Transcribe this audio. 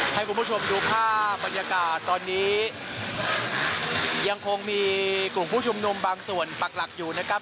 ให้คุณผู้ชมดูภาพบรรยากาศตอนนี้ยังคงมีกลุ่มผู้ชุมนุมบางส่วนปักหลักอยู่นะครับ